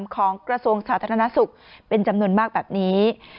ของกระทรวงชาติธนสุขเป็นจำนวนมากแบบนี้